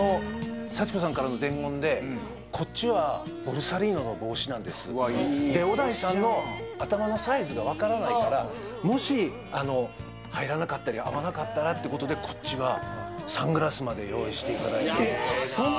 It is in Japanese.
実はこのこっちはボルサリーノの帽子なんですで小田井さんの頭のサイズが分からないからもしあの入らなかったり合わなかったらってことでこっちはサングラスまで用意していただいてえっ